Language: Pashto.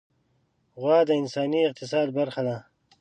غوا د انساني اقتصاد برخه ده.